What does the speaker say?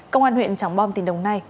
công an huyện trọng bom tỉnh đồng nai